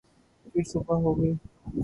پھر صبح ہوگئی